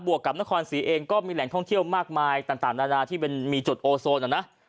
วกกับนครศรีเองก็มีแหล่งท่องเที่ยวมากมายต่างนานาที่มันมีจุดโอโซนอ่ะนะ